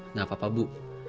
nggak apa apa bu